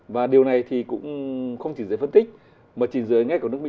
và điều này thì cũng không chỉ giới phân tích mà chỉ dưới ngay của nước mỹ